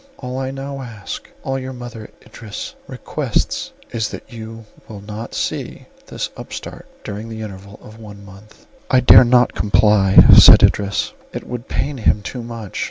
All I now ask, all your mother, Idris, requests is, that you will not see this upstart during the interval of one month." "I dare not comply," said Idris, "it would pain him too much.